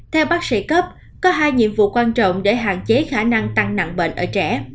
theo bác sĩ cấp có hai nhiệm vụ quan trọng để hạn chế khả năng tăng nặng bệnh ở trẻ